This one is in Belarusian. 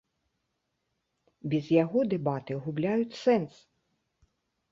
Без яго дэбаты губляюць сэнс!